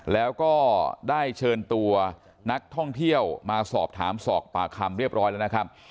แล้วก็ได้เชิญตัวนักท่องเที่ยวมาสอบถามสอบปากคำเรียบร้อยแล้วนะครับ